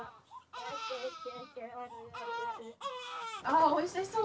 あおいしそう。